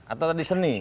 atau di seni